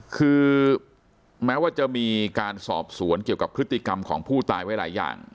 คือแม้ว่าจะมีการสอบสวนเกี่ยวกับพฤติกรรมของผู้ตายไว้หลายอย่าง